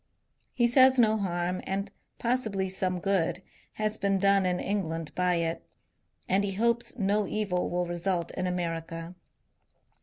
He says no harm, and possibly some good, has been done in England by it ; and he hopes no evil will result in America.